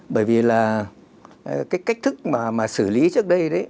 bởi vì là cái cách thức mà xử lý trước đây đấy